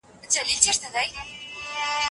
هغه سهار وختي لیکل غوره کړل.